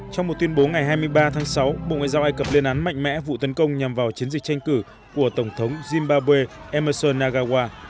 trong một tuyên bố ngày hai mươi ba tháng sáu bộ ngoại giao ai cập lên án mạnh mẽ vụ tấn công nhằm vào chiến dịch tranh cử của tổng thống zimbabwe emerson nagawa